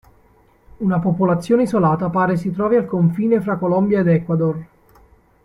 Una popolazione isolata pare si trovi al confine fra Colombia ed Ecuador.